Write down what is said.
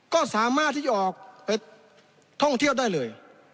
ก็สามารถที่จะออกไปท่องเที่ยวได้เลย